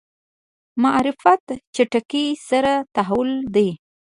معرفت چټکۍ سره تحول دی.